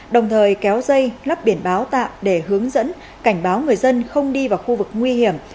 đồng thời kéo dây lắp biển báo tạm để hướng dẫn cảnh báo người dân không đi vào khu vực nguy hiểm